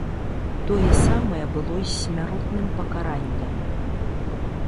Тое самае было з смяротным пакараннем.